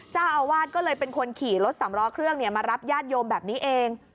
เจ้าอาวาสก็เลยเป็นคนขี่รถสำล้อเครื่องมารับญาติโยมแบบนี้เอง